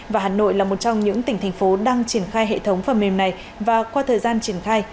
và hà nội là một trong những tỉnh thành phố đang triển khai hệ thống phần mềm này và qua thời gian triển khai